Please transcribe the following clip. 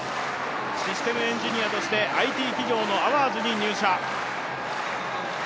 システムエンジニアとしてＩＴ企業のアワーズに入社をしました。